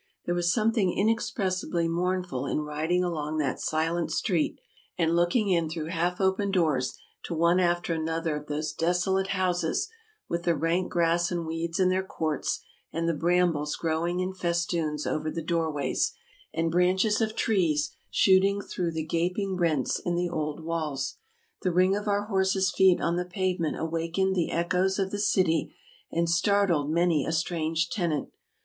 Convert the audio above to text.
There was something inexpressibly mournful in riding along that silent street, and looking in through half open doors to one after another of those desolate houses, with the rank grass and weeds in their courts, and the brambles growing in fes toons over the doorways, and branches of trees shooting through the gaping rents in the old walls. The ring of our horses' feet on the pavement awakened the echoes of the city and startled many a strange tenant.